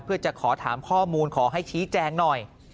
เพื่อจะขอถามข้อมูลขอให้ชี้แจงหน่อย